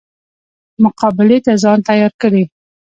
مقابلې ته ځان تیار کړي.